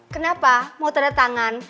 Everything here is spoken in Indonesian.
kenapa mau tanda tangan